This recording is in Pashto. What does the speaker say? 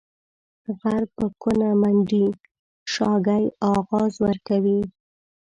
غر په کونه منډي ، شاگى اغاز ورکوي.